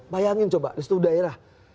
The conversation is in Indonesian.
bayangin coba di seluruh daerah